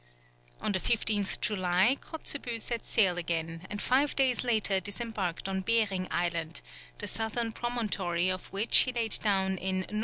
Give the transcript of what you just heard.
On the 15th July Kotzebue set sail again, and five days later disembarked on Behring Island, the southern promontory of which he laid down in N.